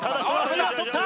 足を取った！